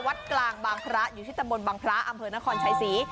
วัดกลางบางพระอยู่ที่ตำบลบางพระอำเภอนครชัยศรี